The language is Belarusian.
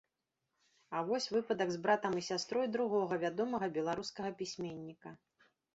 А вось выпадак з братам і сястрой другога вядомага беларускага пісьменніка.